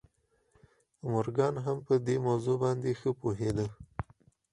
مورګان هم پر دې موضوع باندې ښه پوهېده